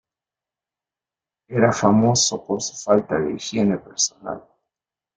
Era famoso por su falta de higiene personal.